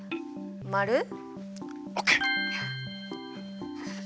オッケー！